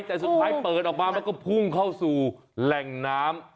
แต่สุดท้ายเปิดออกมามันก็พุ่งเข้าสู่แหล่งน้ำ